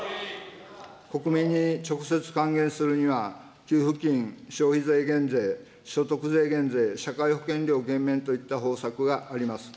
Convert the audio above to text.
国民に直接還元するには、給付金、消費税減税、所得税減税、社会保険料減免といった方策があります。